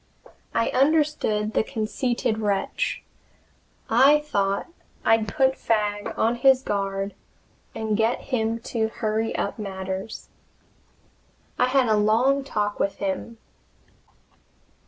I understood the conceited wretch. I thought I'd put Fagg on his guard and get him to hurry up matters. I had a long talk with him.